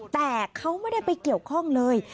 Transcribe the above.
แต่เขาไม่ได้ไปเกี่ยวข้องเลย